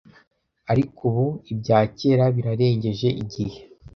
'' Ariko ubu ibya kera birarengeje igihe,